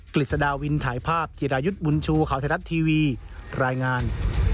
กฤษดาวินถ่ายภาพจิรายุทธ์บุญชูข่าวไทยรัฐทีวีรายงาน